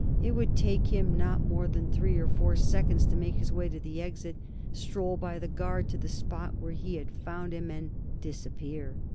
It would take him not more than three or four seconds to make his way to the exit, stroll by the guard to the spot where we had found him, and disappear.